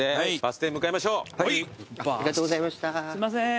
すいません。